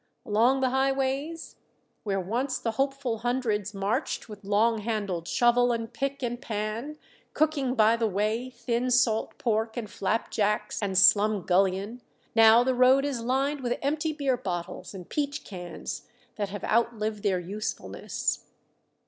Along the highways, where once the hopeful hundreds marched with long handled shovel and pick and pan, cooking by the way thin salt pork and flapjacks and slumgullion, now the road is lined with empty beer bottles and peach cans that have outlived their usefulness.